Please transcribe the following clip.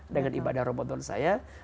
dengan ibadah ramadan saya